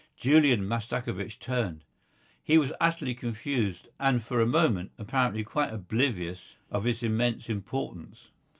Julian Mastakovich turned. He was utterly confused and for a moment, apparently, quite oblivious of his immense importance.